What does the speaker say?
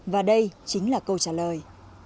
và đây chính là câu trả lời